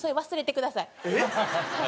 えっ？